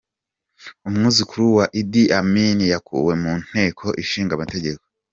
Umwuzukuru wa Idi Amin yakuwe mu nteko ishinga amategeko.